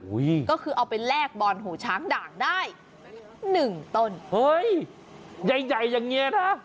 ก็คือเอาไปแลกบอนหูช้างด่างได้หนึ่งต้นเฮ้ยใหญ่ใหญ่อย่างเงี้ยนะ